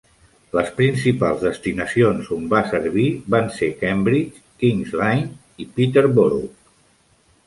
Les principals destinacions on va servir van ser Cambridge, King's Lynn i Peterborough.